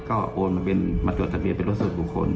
ก็โอนมาเป็นมาจดทะเบียนเป็นรถส่วนบุคคล